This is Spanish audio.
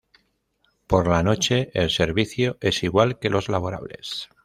Por la noche el servicio es igual que los laborables.